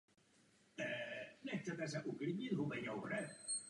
Bill se začal věnovat vlastní kariéře volného fotografa.